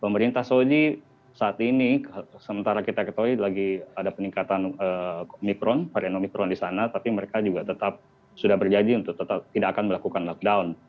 pemerintah saudi saat ini sementara kita ketahui lagi ada peningkatan omikron varian omikron di sana tapi mereka juga tetap sudah berjanji untuk tetap tidak akan melakukan lockdown